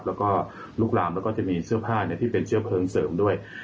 แล้วก็ลุกลามแล้วก็จะมีเสื้อผ้าที่เป็นเชื้อเพลิงเสริมด้วย